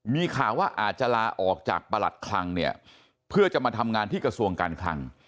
มีข่าวว่าอาจจะลาออกจากประหลัดคลังเนี่ยเพื่อจะมาทำงานที่กระทรวงการคลัง